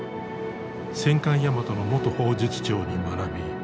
戦艦大和の元砲術長に学び